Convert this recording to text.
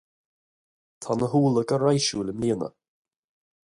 Tá na húlla go raidhsiúil i mbliana.